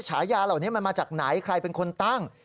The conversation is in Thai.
ฉายาเหล่านี้มันมาจากไหนใครเป็นคนตั้ง